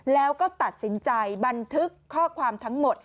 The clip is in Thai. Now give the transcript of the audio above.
แล้วก็ตัดสินใจบันทึกข้อความทั้งหมด